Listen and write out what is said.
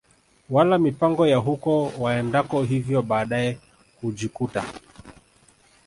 wala mipango ya huko waendako hivyo baadae hujikuta